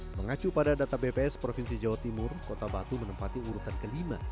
mengacu pada data bps provinsi jawa timur kota batu menempati urutan kelima